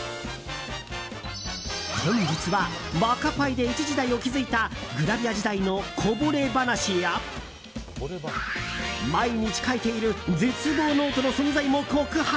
本日はワカパイで一時代を築いたグラビア時代のこぼれ話や毎日書いている絶望ノートの存在も告白。